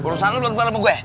masalah lu luar kemana sama gue